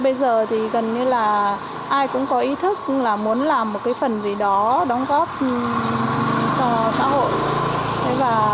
bây giờ thì gần như là ai cũng có ý thức là muốn làm một cái phần gì đó đóng góp cho xã hội